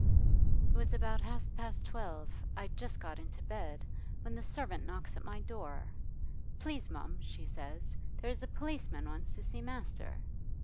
'It was about half past twelve I'd just got into bed when the servant knocks at my door. "Please, mum," she says, "there's a policeman wants to see master."